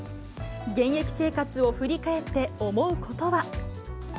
現役生活を振り返って、思うことは。